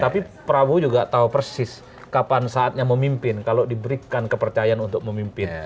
tapi prabowo juga tahu persis kapan saatnya memimpin kalau diberikan kepercayaan untuk memimpin